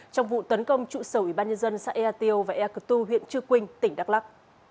trong vụ tấn công trụ sở ủy ban nhân dân xã ea tiêu và ea cơ tu huyện chư quynh tỉnh đắk lắc